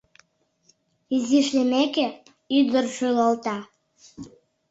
Изиш лиймеке, ӱдыр шӱлалта: